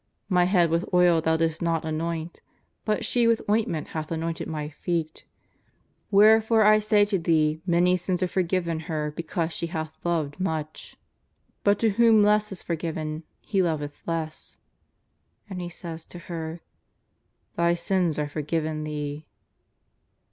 My head with oil thou didst not anoint, but she with ointment hath anointed My feet. Wherefore I say to thee many sins are forgiven her because she hath loved much. But to 214 JESUS OP NAZAEETH. whom less is forgiven, he loveth less." And He sajs to her: " Thy sins are forgiven thee."